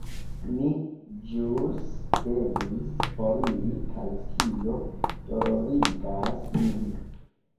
Ni ĵus devis foriri kaj tio dolorigas nin.